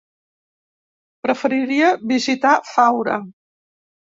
Preferiria visitar Faura.